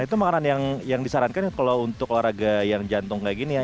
itu makanan yang disarankan kalau untuk olahraga yang jantung kayak gini ya